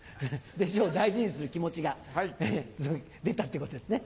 弟子を大事にする気持ちが出たっていうことですね。